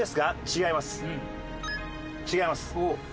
違います。